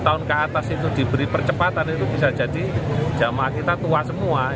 lima tahun ke atas itu diberi percepatan itu bisa jadi jamaah kita tua semua